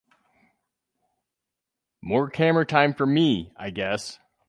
More camera time for me, I guess.